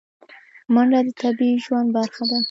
منډه د طبیعي ژوند برخه ده